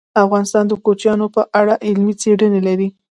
افغانستان د کوچیانو په اړه علمي څېړنې لري.